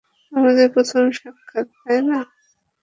আমাদের প্রথম সাক্ষাৎ, তাই না?